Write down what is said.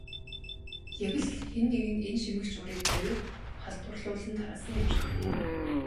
Яг л хэн нэг нь энэ шимэгч урыг зориуд халдварлуулан тараасан юм шиг.